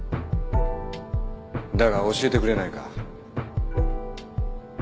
だが教えてくれないか。